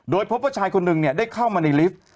โดยพบว่าชายคนหนึ่งได้เข้ามาในลิฟต์